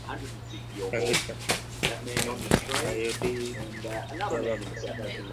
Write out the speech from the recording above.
Coyote, জবাব দাও।